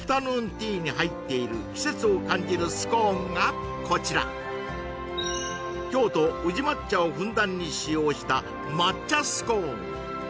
ティーに入っている季節を感じるスコーンがこちら京都宇治抹茶をふんだんに使用した抹茶スコーン